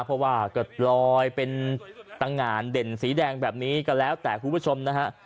เพราะว่าก็ลอยเป็นตังงานเด่นสีแดงแบบนี้ก็แล้วแต่คุณผู้ชมนะฮะ